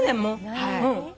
はい。